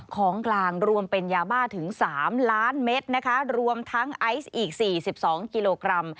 ของกลางรวมเป็นยาบ้าถึง๓ล้านเมตรนะคะรวมทั้งไอซ์อีก๔๒กิโลกรัม